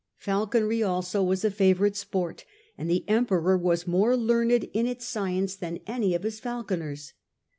Falconry also was a favourite sport, and the Emperor was more learned in its science than any of his falconers.